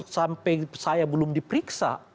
sampai saya belum diperiksa